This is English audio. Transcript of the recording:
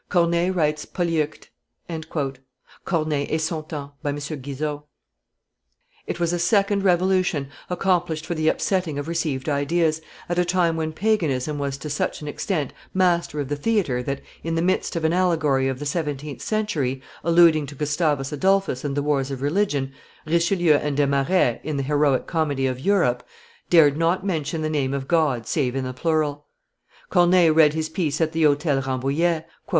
Corneille writes Polyeucte." [Corneille et son Temps, by M. Guizot.] It was a second revolution accomplished for the upsetting of received ideas, at a time when paganism was to such an extent master of the theatre that, in the midst of an allegory of the seventeenth century, alluding to Gustavus Adolphus and the wars of religion, Richelieu and Desmarets, in the heroic comedy of Europe, dared not mention the name of God save in the plural. Corneille read his piece at the Hotel Rambouillet.